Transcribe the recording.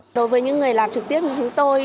đối với những người làm trực tiếp như chúng tôi